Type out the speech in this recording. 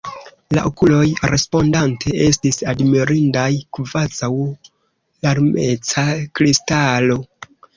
La okuloj respondante estis admirindaj, kvazaŭ larmeca kristalo.